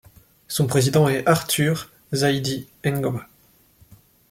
Son président est Arthur Z'ahidi Ngoma.